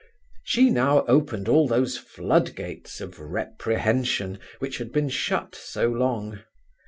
She now opened all those floodgates of reprehension, which had been shut so long.